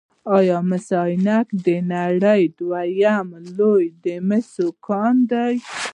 آیا مس عینک د نړۍ دویم لوی د مسو کان دی؟